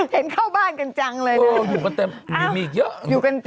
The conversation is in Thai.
เห็นเข้าบ้านกันจังเลย